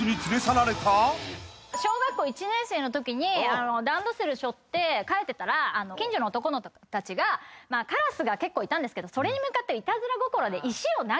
小学校１年生のときにランドセルしょって帰ってたら近所の男の子たちがカラスが結構いたんですけどそれに向かっていたずら心で。